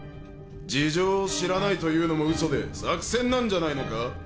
事情を知らないというのも嘘で作戦なんじゃないのか？